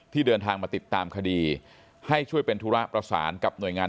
เดินทางมาติดตามคดีให้ช่วยเป็นธุระประสานกับหน่วยงาน